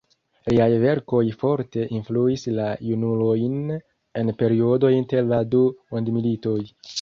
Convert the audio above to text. Liaj verkoj forte influis la junulojn en periodo inter la du mondmilitoj.